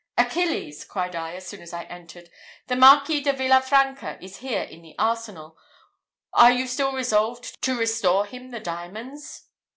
"Achilles," cried I, as soon as I entered, "the Marquis de Villa Franca is here in the arsenal; are you still resolved to restore him the diamonds?"